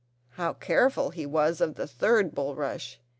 How careful he was of the third bulrush!